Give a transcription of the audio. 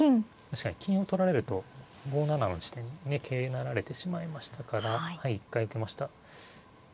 確かに金を取られると５七の地点にね桂成られてしまいましたから一回受けました。